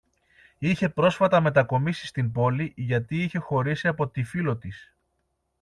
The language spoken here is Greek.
είχε πρόσφατα μετακομίσει στην πόλη γιατί είχε χωρίσει από τη φίλο της